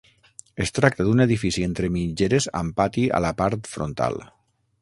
Es tracta d'un edifici entre mitgeres amb pati a la part frontal.